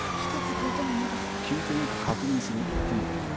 聞いていいか確認する１分が無駄だ。